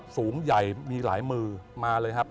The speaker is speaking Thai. สูงใหญ่มีหลายมือมาเลยครับ